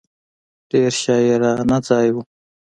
ډېر شاعرانه ځای و.